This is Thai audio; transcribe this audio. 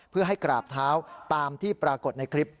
เพื่อให้กราบเท้าตามที่ปรากฏในคลิป